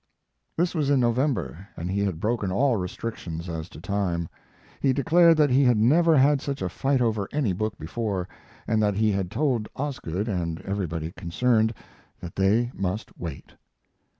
This was in November, and he had broken all restrictions as to time. He declared that he had never had such a fight over any book before, and that he had told Osgood and everybody concerned that they must wait.